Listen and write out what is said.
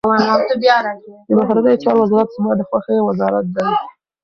د بهرنیو چارو وزارت زما د خوښي وزارت دی.